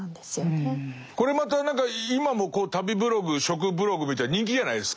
これまた何か今も旅ブログ食ブログみたいなの人気じゃないですか。